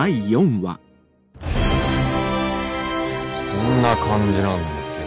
こんな感じなんですよ。